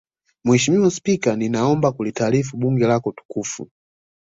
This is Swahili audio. Mheshimiwa Spika ninaomba kulitaarifu Bunge lako tukufu